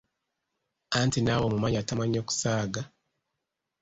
Anti naawe omumanyi atamanyi kusaaga…..!